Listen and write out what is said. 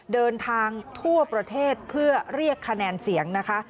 เดินทางทั่วประเทศเพื่อเรียกคะแนนเสียงนะคะ